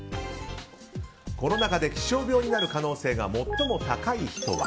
この中で、気象病になる可能性が最も高い人は。